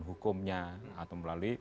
hukumnya atau melalui